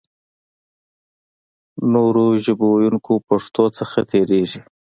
نورو ژبو ویونکي پښتو څخه تېرېږي.